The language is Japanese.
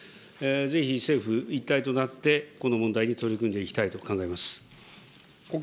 ぜひ政府一体となってこの問題に取り組んでいきたいと考えます。